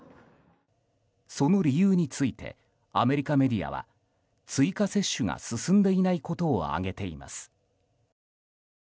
その理由についてアメリカメディアは追加接種が進んでいないことを挙げています。